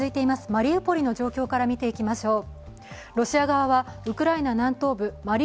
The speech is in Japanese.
マリウポリの状況から見ていきましょう。